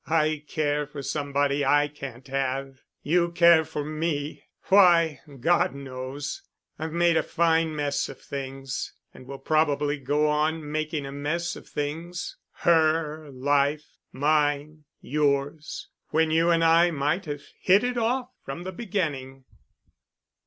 "I care for somebody I can't have—you care for me—why, God knows. I've made a fine mess of things and will probably go on making a mess of things—her life, mine, yours—when you and I might have hit it off from the beginning."